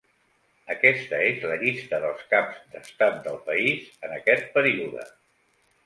Aquesta és la llista dels caps d'estat del país en aquest període.